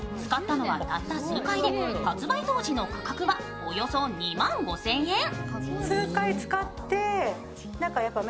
使ったのはたった数回で、発売当時の価格はおよそ２万５０００円。